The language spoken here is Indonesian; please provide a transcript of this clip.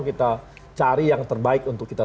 kita cari yang terbaik untuk kita